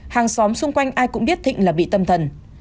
hàng xóm xung quanh ai cũng biết thịnh là bị tâm thần